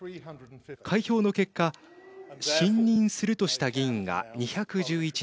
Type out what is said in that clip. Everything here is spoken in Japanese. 開票の結果信任するとした議員が２１１人。